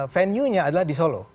venuenya adalah di solo